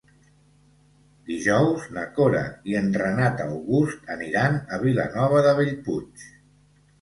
Dijous na Cora i en Renat August aniran a Vilanova de Bellpuig.